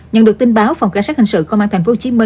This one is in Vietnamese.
nhận được tin báo phòng cảnh sát hình sự công an tp hcm